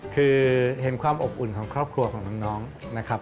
คือเห็นความอบอุ่นของครอบครัวของน้องนะครับ